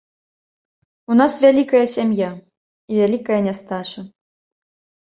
У нас вялікая сям'я і вялікая нястача.